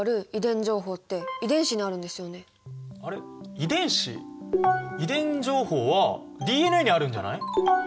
遺伝子？遺伝情報はＤＮＡにあるんじゃない？